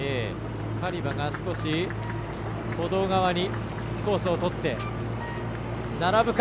カリバが少し歩道側にコースを取って並ぶか。